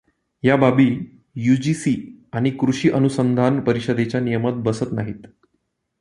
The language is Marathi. या बाबी यूजीसी आणि कृषी अनुसंधान परिषदेच्या नियमात बसत नाहीत.